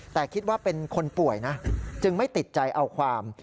แต่คิดว่าเป็นคนป่วยนะจึงไม่ติดใจเอาความ